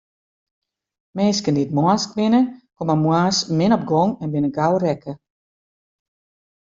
Minsken dy't moarnsk binne, komme moarns min op gong en binne gau rekke.